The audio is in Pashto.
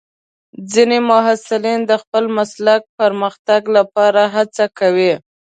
ځینې محصلین د خپل مسلک پرمختګ لپاره هڅه کوي.